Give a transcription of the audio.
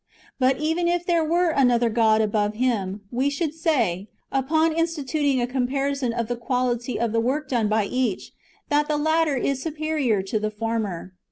But even if there were another God above Him, we should say, upon [instituting] a comparison of the quantity [of the work done by each], that the latter is superior to the former.